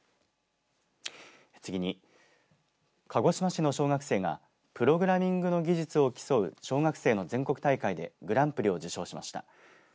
次に鹿児島市の小学生がプログラミングの技術を競う小学生の全国大会でグランプリを受賞しました。